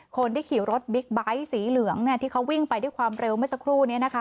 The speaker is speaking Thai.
คนที่ขี่รถบิ๊กไบท์สีเหลืองที่เขาวิ่งไปด้วยความเร็วเมื่อสักครู่นี้นะคะ